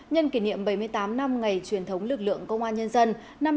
nhân kỷ niệm bảy mươi tám năm ngày truyền thống lực lượng công an nhân dân